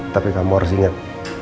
tapi kamu harus ingat